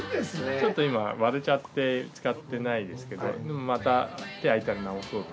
ちょっと今割れちゃって使ってないですけどまた手空いたら直そうと。